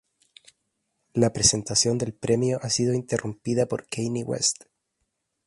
La presentación del premio ha sido interrumpida por Kanye West.